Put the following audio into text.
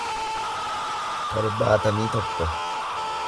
torbaatamii tokko